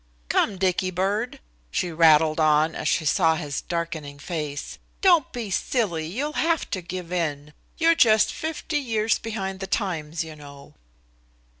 "Come, Dicky bird," she rattled on as she saw his darkening face. "Don't be silly. You'll have to give in. You're just 50 years behind the times, you know."